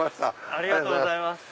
ありがとうございます。